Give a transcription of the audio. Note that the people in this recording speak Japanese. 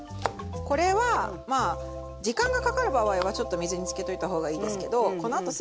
これはまあ時間がかかる場合はちょっと水につけておいた方がいいですけどこのあとすぐ。